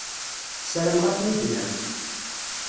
Ssarameɣ ad ten-id-naf.